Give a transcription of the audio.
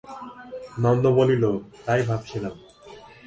নন্দ বলিল, তাই ভাবছিলাম।